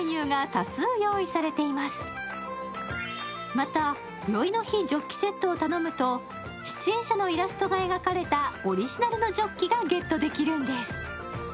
また、よいの日ジョッキセットを頼むと出演者のイラストが描かれたオリジナルのジョッキがゲットできるんです。